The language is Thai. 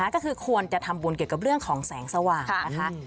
ก็คือควรจะทำบุญเกี่ยวกับเรื่องของแสงสว่างนะคะ